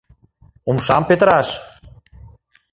Умшам петыраш!